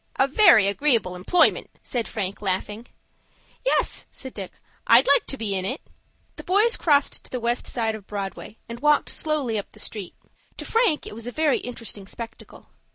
"A very agreeable employment," said Frank, laughing. "Yes," said Dick, "I'd like to be in it." The boys crossed to the West side of Broadway, and walked slowly up the street. To Frank it was a very interesting spectacle.